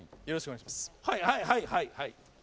はいはいはい。